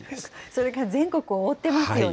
それが全国覆ってますよね。